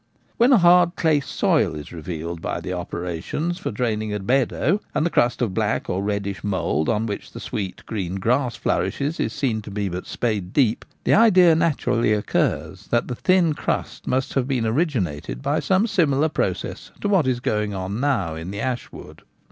When a hard clay soil is revealed by the opera 134 7>4* Gamekeeper at Home. tions for draining a meadow, and the crust of black or reddish mould on which the sweet green grass flourishes is seen to be but spade deep, the idea naturally occurs that that thin crust must have been originated by some similar process to what is now going on in the ash wood.